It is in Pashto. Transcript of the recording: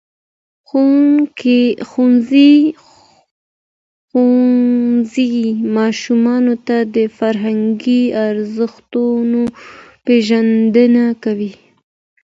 ښوونځی ماشومانو ته د فرهنګي ارزښتونو پېژندنه کوي.